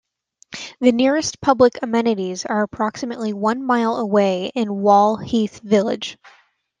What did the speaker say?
The nearest public amenities are approximately one mile away in Wall Heath village.